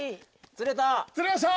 釣れました！